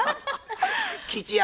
吉弥